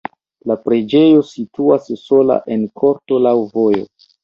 La preĝejo situas sola en korto laŭ vojo.